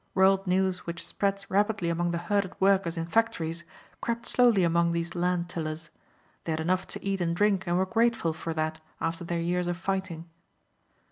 World news which spreads rapidly among the herded workers in factories crept slowly among these land tillers. They had enough to eat and drink and were grateful for that after their years of fighting.